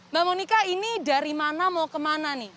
mbak monika ini dari mana mau kemana nih